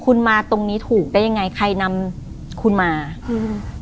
คุณมาตรงนี้ถูกได้ยังไงใครนำคุณมาอืม